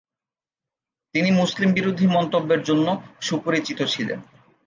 তিনি মুসলিম বিরোধী মন্তব্যের জন্য সুপরিচিত ছিলেন।